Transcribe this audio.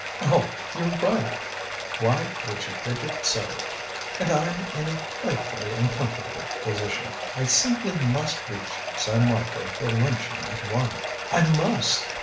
"Oh you're right!" Why would she fidget so? "And I'm in a frightfully uncomfortable position. I simply must reach San Marco for luncheon at one. I must!"